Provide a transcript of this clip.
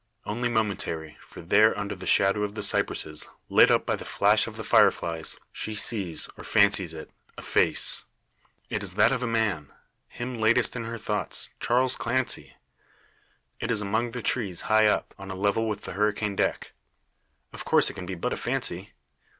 Only momentary; for there under the shadow of the cypresses, lit up by the flash of the fire flies, she sees, or fancies it, a face! It is that of a man him latest in her thoughts Charles Clancy! It is among the trees high up, on a level with the hurricane deck. Of course it can be but a fancy?